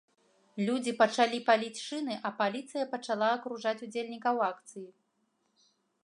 Людзі пачалі паліць шыны, а паліцыя пачала акружаць удзельнікаў акцыі.